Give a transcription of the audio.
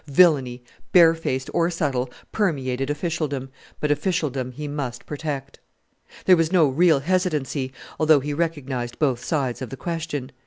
Villainy, barefaced or subtle, permeated officialdom, but officialdom he must protect. There was no real hesitancy, although he recognized both sides of the question.